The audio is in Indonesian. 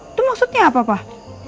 itu maksudnya apa pak